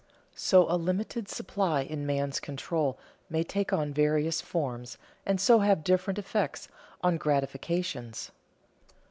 So a limited supply in man's control may take on various forms and so have different effects on gratifications.